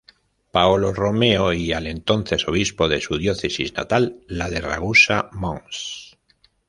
Paolo Romeo y al entonces Obispo de su diócesis natal "la de Ragusa" Mons.